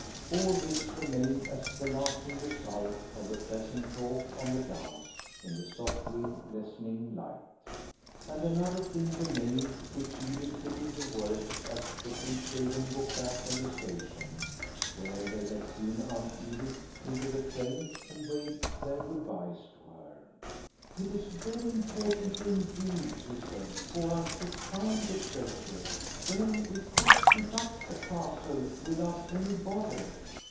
All this remained, as the lasting result of the pleasant talk on the downs in the softly lessening light. And another thing remained, which Edred put into words as the two children walked back from the station, where they had seen Aunt Edith into the train and waved their goodbyes to her. "It is very important indeed," he said, "for us to find the treasure. Then we could 'keep up' the Castle without any bother.